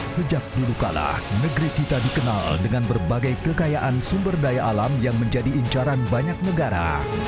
sejak dulu kalah negeri kita dikenal dengan berbagai kekayaan sumber daya alam yang menjadi incaran banyak negara